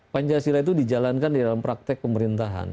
pancasila itu dijalankan di dalam praktek pemerintahan